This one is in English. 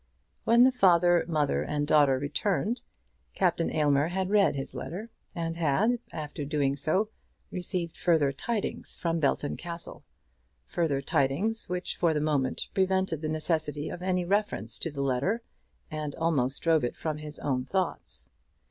When the father, mother, and daughter returned, Captain Aylmer had read his letter, and had, after doing so, received further tidings from Belton Castle, further tidings which for the moment prevented the necessity of any reference to the letter, and almost drove it from his own thoughts.